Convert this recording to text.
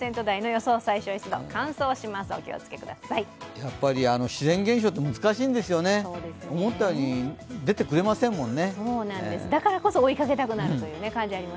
やっぱり自然現象って難しいんですよね、思ったように出てくれませんもんね。